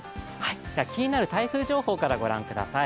気になる台風情報からご覧ください。